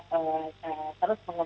penyelenggara bpr agar